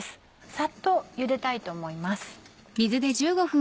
サッとゆでたいと思います。